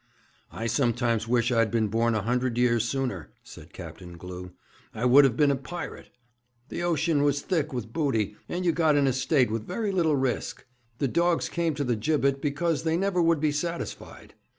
'I sometimes wish I'd been born a hundred years sooner,' said Captain Glew. 'I would have been a pirate; the ocean was thick with booty, and you got an estate with very little risk. The dogs came to the gibbet because they never would be satisfied.'